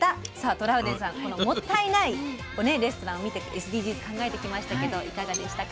トラウデンさんもったいないレストランを見てＳＤＧｓを考えてきましたけどいかがでしたか？